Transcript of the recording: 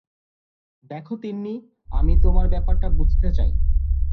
দেখ তিন্নি, আমি তোমার ব্যাপারটা বুঝতে চাই।